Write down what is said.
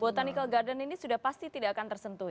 botanical garden ini sudah pasti tidak akan tersentuh